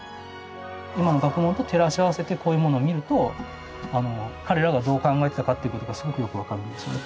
今の学問と照らし合わせてこういうものを見ると彼らがどう考えてたかっていうことがすごくよく分かるんですよね。